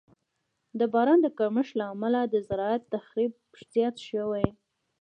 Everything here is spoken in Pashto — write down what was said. د باران د کمښت له امله د زراعت تخریب زیات شوی.